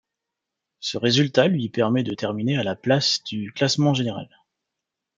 Ce résultat lui permet de terminer à la place du classement général.